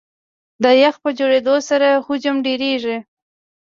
د یخ په جوړېدو سره حجم ډېرېږي.